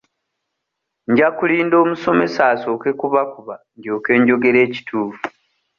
Nja kulinda omusomesa asooke kubakuba ndyoke njogere ekituufu.